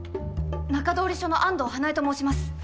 中通り署の安藤花恵と申します。